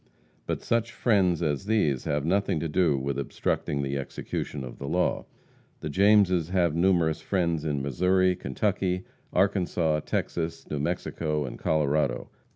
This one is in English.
But such "friends" as these have nothing to do with obstructing the execution of the law. The Jameses have numerous friends in Missouri, Kentucky, Arkansas, Texas, New Mexico and Colorado.